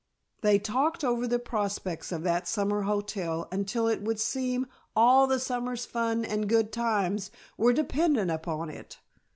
They talked over the prospects of that summer hotel until it would seem all the summer's fun and good times were dependent upon it.